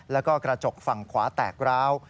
แล้วก็กระจกฝั่งขวาแตกร้าว